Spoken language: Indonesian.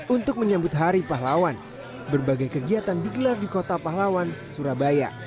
untuk menyambut hari pahlawan berbagai kegiatan digelar di kota pahlawan surabaya